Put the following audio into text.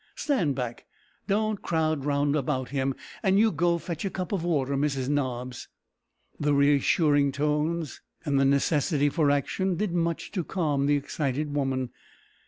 Stand back, don't crowd round him; and you go fetch a cup of water, Mrs Nobbs." The reassuring tones and the necessity for action did much to calm the excited woman.